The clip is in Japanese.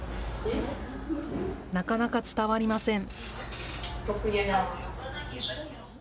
なかなか伝わりません。